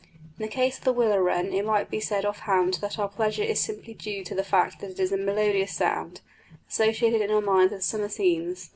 In the case of the willow wren it might be said off hand that our pleasure is simply due to the fact that it is a melodious sound, associated in our minds with summer scenes.